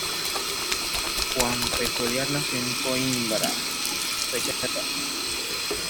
Juan Peculiar nació en Coímbra, en fecha desconocida.